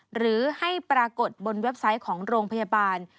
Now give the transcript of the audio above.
หรือให้ปรากฏบนเว็บไซต์ของโรงพยาบาล